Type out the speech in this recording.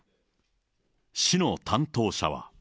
市の担当者は。